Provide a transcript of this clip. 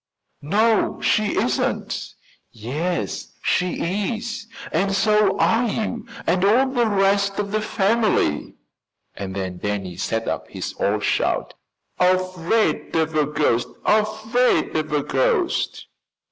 "No, she isn't." "Yes, she is, and so are you and all the rest of the family." And then Danny set up his old shout: "Afraid of a ghost! Afraid of a ghost!"